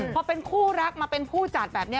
พอเป็นคู่รักมาเป็นผู้จัดแบบนี้